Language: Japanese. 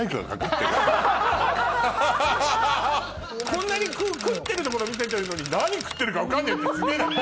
こんなに食ってるところ見せてんのに何食ってるか分かんねえってすげぇなって。